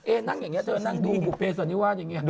เอนั่งอย่างนี้เถอะนั่งที่บุเฟสต์ตอนนี้ว่าอย่างอย่างนี้